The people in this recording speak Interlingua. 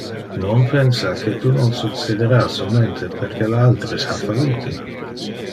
Non pensa que tu non succedera solmente perque le alteres ha fallite.